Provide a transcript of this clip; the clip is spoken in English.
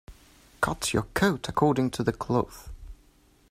Cut your coat according to the cloth.